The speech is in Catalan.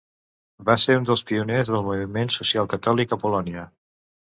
Va ser un dels pioners del moviment socialcatòlic a Polònia.